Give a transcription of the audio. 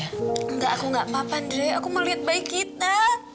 enggak aku gak apa apa dre aku mau lihat bayi kita